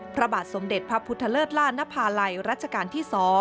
พระบาทสมเด็จพระพุทธเลิศล่านภาลัยรัชกาลที่๒